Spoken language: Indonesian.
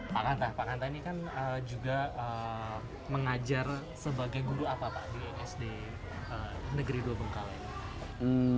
pak kanta pak kanta ini kan juga mengajar sebagai guru apa pak di sd negeri dua bengkalai